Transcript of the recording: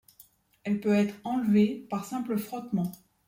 Elle peut être enlevée par simple frottement.